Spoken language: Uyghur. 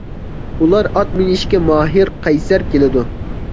ئۇلار ئات مىنىشكە ماھىر، قەيسەر كېلىدۇ.